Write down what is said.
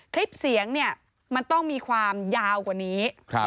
คลิปเสียงเนี่ยมันต้องมีความยาวกว่านี้